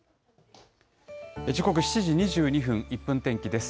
時刻７時２２分、１分天気です。